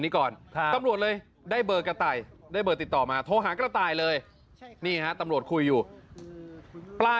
คุณมึงไปเช่าห้องนี้หรือเปล่า